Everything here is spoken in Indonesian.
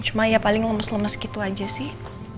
cuma ya paling lemes lemes gitu aja sih